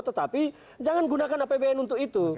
tetapi jangan gunakan apbn untuk itu